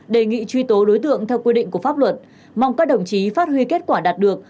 đề nghị truy tố đối tượng theo quy định của pháp luật mong các đồng chí phát huy kết quả đạt được